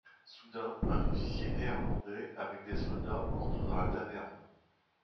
Soudain, un officier néerlandais avec des soldats entre dans la taverne.